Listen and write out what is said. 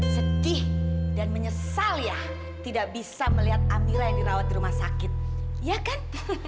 sedih dan menyesal ya tidak bisa melihat amira yang dirawat di rumah sakit ya kan